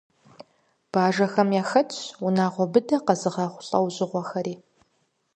Бэжэхэм яхэтщ унагъуэ быдэ къэзыгъэхъу лӏэужьыгъуэхэри.